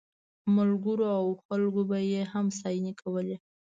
ملګرو او خلکو به یې هم ستاینې کولې.